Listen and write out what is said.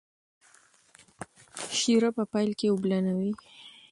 شیره په پیل کې اوبلنه وي.